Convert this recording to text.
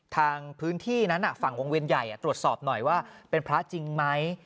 ทางพื้นที่นั้นฝั่งวงเวียนใหญ่ตรวจสอบหน่อยว่าเป็นพระจริงไหม